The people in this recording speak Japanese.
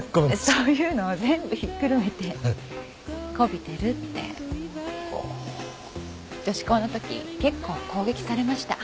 そういうのを全部ひっくるめてこびてるって女子校のとき結構攻撃されました。